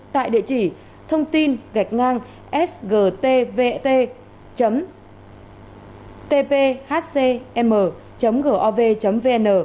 tại địa chỉ thông tin gạch ngang sgtvt tphcm gov vn